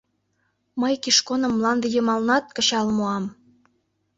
Мый Кишконым мланде йымалнат кычал муам!